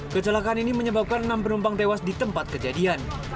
kecelakaan ini menyebabkan enam penumpang tewas di tempat kejadian